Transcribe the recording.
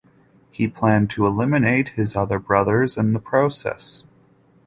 He planned to eliminate his other brothers in the process.